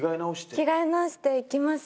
着替え直して行きますし